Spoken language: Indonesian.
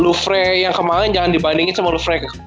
lufre yang kemarin jangan dibandingin sama lufre